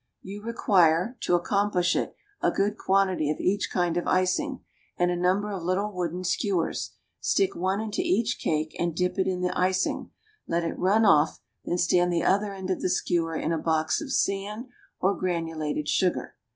You require, to accomplish it, a good quantity of each kind of icing, and a number of little wooden skewers; stick one into each cake and dip it in the icing, let it run off, then stand the other end of the skewer in a box of sand or granulated sugar.